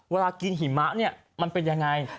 เวลากินหิมะเนี่ยมันเป็นยังไง